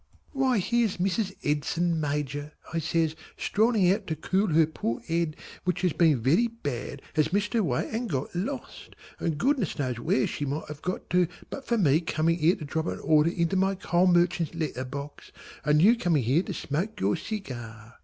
"Why here's Mrs. Edson Major" I says, "strolling out to cool her poor head which has been very bad, has missed her way and got lost, and Goodness knows where she might have got to but for me coming here to drop an order into my coal merchant's letter box and you coming here to smoke your cigar!